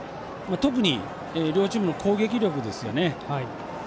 特に、両チームの攻撃力ですよね。